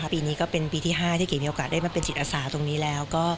ปีนี้ก็เป็นปีที่๕ที่เก๋มีโอกาสได้มาเป็นจิตอาสาตรงนี้แล้ว